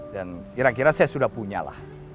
dan kira kira saya sudah punya lah